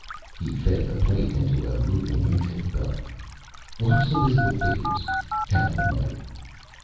He fed the plate into a moving intake belt. "Watch the visible figures," Kaplan muttered.